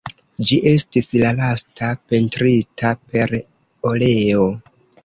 Ĝi estis la lasta pentrita per oleo.